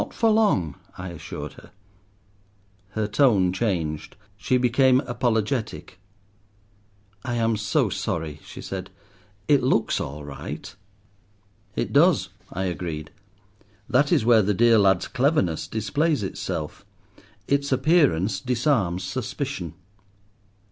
"Not for long," I assured her. Her tone changed. She became apologetic. "I am so sorry," she said. "It looks all right." "It does," I agreed; "that is where the dear lad's cleverness displays itself. Its appearance disarms suspicion.